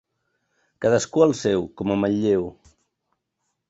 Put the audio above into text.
Cadascú el seu, com a Manlleu.